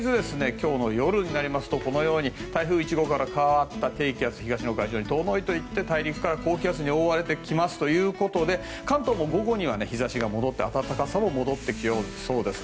今日の夜になりますと台風１号から変わった低気圧が東の海上に遠のいていって大陸から高気圧に覆われてきますということで関東も午後には日差しが戻って暖かさも戻ってきそうです。